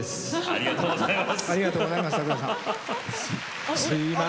ありがとうございます。